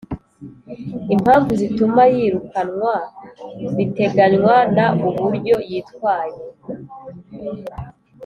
impamvu zituma yirukanwa biteganywa na uburyo yitwaye